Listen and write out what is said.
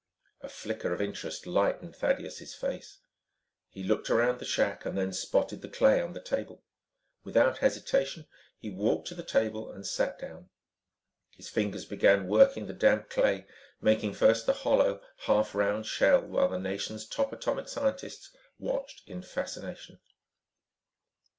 A flicker of interest lightened Thaddeus' face. He looked around the shack and then spotted the clay on the table. Without hesitation, he walked to the table and sat down. His fingers began working the damp clay, making first the hollow, half round shell while the nation's top atomic scientists watched in fascination.